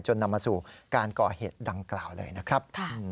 นำมาสู่การก่อเหตุดังกล่าวเลยนะครับ